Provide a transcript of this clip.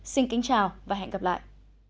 xin kính chào và hẹn gặp lại